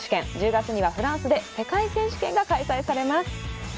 １０月にはフランスで世界選手権が開催されます。